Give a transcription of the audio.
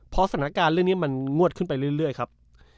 พอสถานการณ์เรื่องนี้มันงวดขึ้นไปเรื่อยครับ